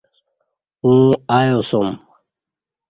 اوں ایاسوم